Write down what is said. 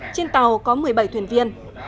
trên tàu có một mươi bảy thuyền viên